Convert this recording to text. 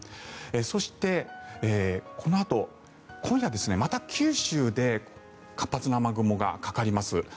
そしてこのあと今夜、また九州で活発な雨雲がかかります。